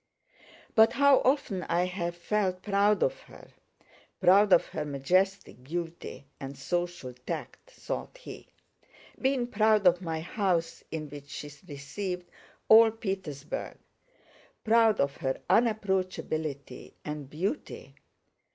"But how often I have felt proud of her, proud of her majestic beauty and social tact," thought he; "been proud of my house, in which she received all Petersburg, proud of her unapproachability and beauty.